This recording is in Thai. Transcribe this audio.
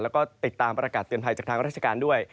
แล้วก็ติดตามประกาศเตือนภัยจากทางราชการด้วย